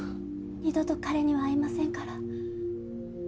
二度と彼には会いませんから。